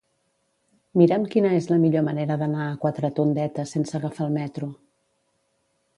Mira'm quina és la millor manera d'anar a Quatretondeta sense agafar el metro.